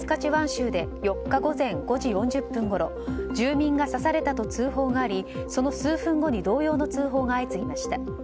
州で４日午前５時４０分ごろ住民が刺されたと通報がありその数分後に同様の通報が相次ぎました。